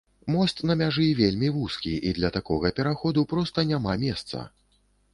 Мост на мяжы вельмі вузкі і для такога пераходу проста няма месца.